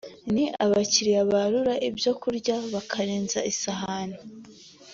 ni abakiriya barura ibyo kurya bakarenza isahane